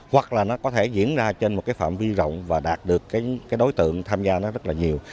hoặc là nó có thể diễn ra trên một phạm vi rộng và đạt được đối tượng tham gia rất là nhiều